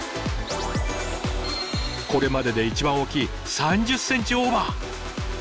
これまでで一番大きい３０ｃｍオーバー！